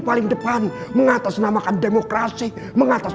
tidak ada yang ditutup vigor